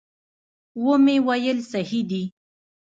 ومې ویل صحیح دي.